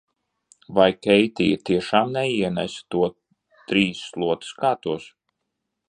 "Vai Keitija tiešām neienesa to "Trīs slotaskātos"?"